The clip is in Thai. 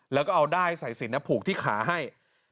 แล้วก็เอาด้ายสายสินผูกที่ขาให้